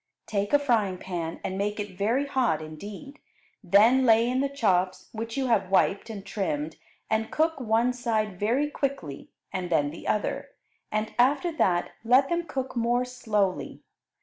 Take a frying pan and make it very hot indeed; then lay in the chops, which you have wiped and trimmed, and cook one side very quickly, and then the other, and after that let them cook more slowly.